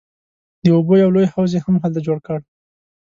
د اوبو یو لوی حوض یې هم هلته جوړ کړ.